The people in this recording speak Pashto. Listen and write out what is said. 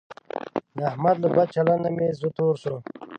د احمد له بد چلنده مې زړه تور شو.